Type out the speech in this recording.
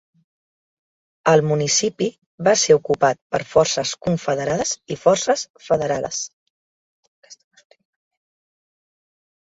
El municipi va ser ocupat per forces confederades i forces federades.